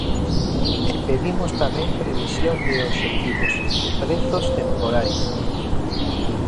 E pedimos tamén previsión de obxectivos, prezos temporais.